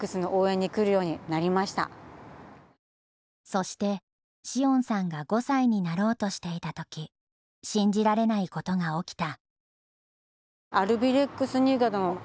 そして詩音さんが５歳になろうとしていた時信じられないことが起きた。